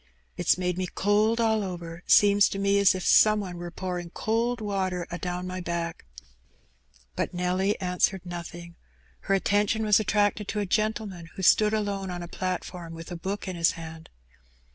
It's niad& Two Visits. 71 me cold all over; seems to me as if some one were pouring cold water adown my back/' But Nelly answered notliing; her attention was attracted to a gentleman who stood alone on a platform with a book in his hand.